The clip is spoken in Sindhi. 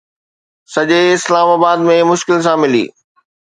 سڄي اسلام آباد ۾ مشڪل سان ملي